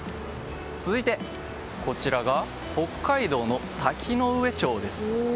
続いて、こちらが北海道の滝上町です。